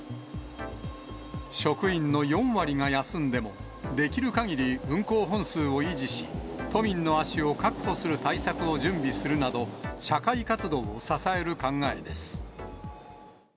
職員の４割が休んでも、できるかぎり運行本数を維持し、都民の足を確保する対策を準備するなど、社会活動を支える考えです。